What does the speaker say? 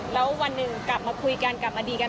แล้ววันหนึ่งกลับมาคุยกันกลับมาดีกัน